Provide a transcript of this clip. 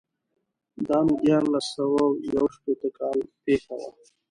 دا نو دیارلس سوه یو شپېتو کال پېښه وه.